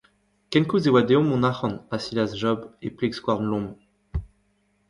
Kenkoulz eo deomp mont ac’hann, a silas Job e pleg skouarn Lom.